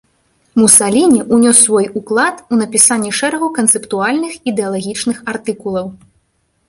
Мусаліні ўнёс свой уклад у напісанне шэрагу канцэптуальных, ідэалагічных артыкулаў.